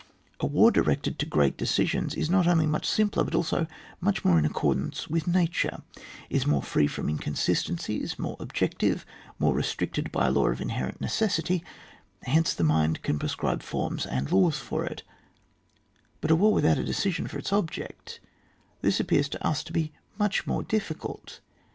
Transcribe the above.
A war directed to great de cisions is not only much simpler, but also much more in accordance with nature ; is more free from inconsistencies, more objective, more restricted by a law of inherent necessity ; hence the mind can prescribe forms and laws for it ; but for a war without a decision for its object, this appears to us to be much more diffictdt.